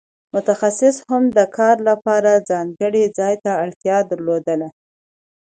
متخصص هم د کار لپاره ځانګړي ځای ته اړتیا درلوده.